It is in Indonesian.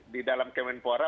di dalam kemenpora